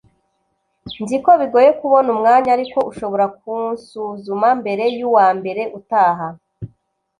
Nzi ko bigoye kubona umwanya ariko ushobora kunsuzuma mbere yuwambere utaha